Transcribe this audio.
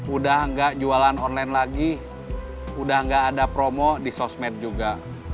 udah nggak jualan online lagi udah gak ada promo di sosmed juga